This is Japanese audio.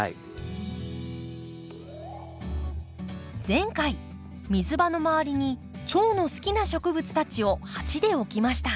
前回水場の周りにチョウの好きな植物たちを鉢で置きました。